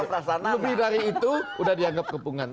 lebih dari itu sudah dianggap kepungan